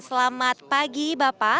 selamat pagi bapak